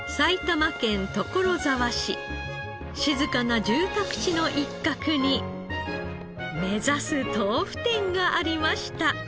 静かな住宅地の一角に目指す豆腐店がありました。